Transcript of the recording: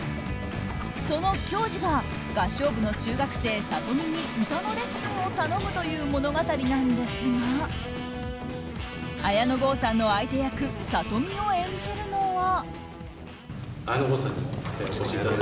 その狂児が合唱部の中学生聡実に歌のレッスンを頼むという物語なんですが綾野剛さんの相手役聡実を演じるのは。